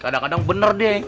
kadang kadang bener dia bang